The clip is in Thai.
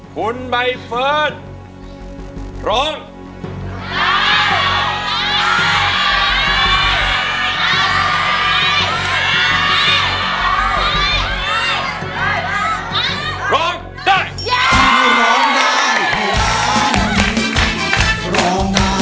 หุ่นใบเฟิร์นร้อง